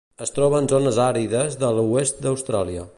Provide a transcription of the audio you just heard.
Es troba en zones àrides de l'oest d'Austràlia.